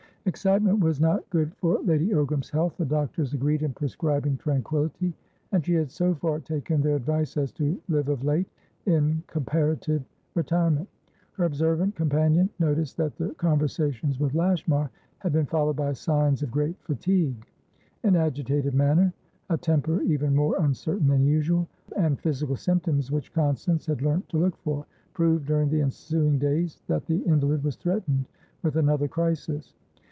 Excitement was not good for Lady Ogram's health; the doctors agreed in prescribing tranquillity, and she had so far taken their advice as to live of late in comparative retirement. Her observant companion noticed that the conversations with Lashmar had been followed by signs of great fatigue; an agitated manner, a temper even more uncertain than usual, and physical symptoms which Constance had learnt to look for, proved during the ensuing days that the invalid was threatened with another crisis.